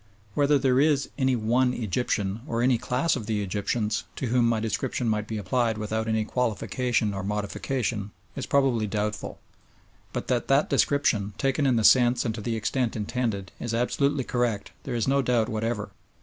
Whether there is any one Egyptian, or any class of the Egyptians, to whom my description might be applied without any qualification or modification is probably doubtful, but that that description, taken in the sense and to the extent intended, is absolutely correct there is no doubt whatever.